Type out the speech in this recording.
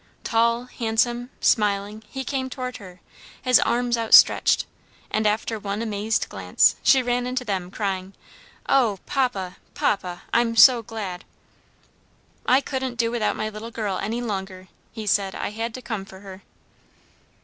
Tall, handsome, smiling, he came toward her, his arms outstretched, and, after one amazed glance, she ran into them, crying, "Oh, papa! papa! I'm so glad!" "I couldn't do without my little girl any longer," he said. "I had to come for her."